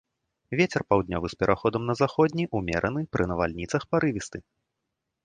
Вецер паўднёвы з пераходам на заходні, умераны, пры навальніцах парывісты.